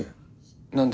何で？